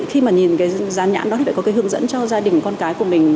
khi mà nhìn cái rán nhãn đó thì phải có cái hướng dẫn cho gia đình con cái của mình